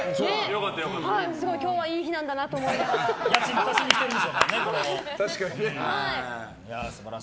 すごい今日はいい日なんだなと思いながら。